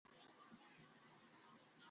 টাকা মেরে খাওয়া সিইও ধরবো কয়েকটা।